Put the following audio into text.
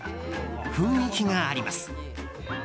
雰囲気があります。